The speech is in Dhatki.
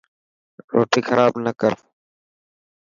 روٽي خراب نه ڪر.